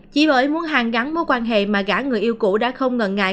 chỉ bởi muốn hàn gắn mối quan hệ mà cả người yêu cũ đã không ngần ngại